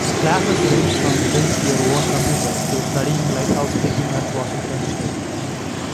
Classes range from "Build Your Own Computer" to studying lighthouse keeping at Washington State.